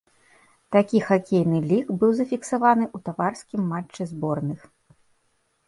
Такі хакейны лік быў зафіксаваны ў таварыскім матчы зборных.